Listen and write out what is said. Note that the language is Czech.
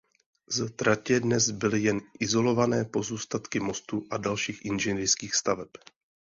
Z tratě dnes zbyly jen izolované pozůstatky mostu a dalších inženýrských staveb.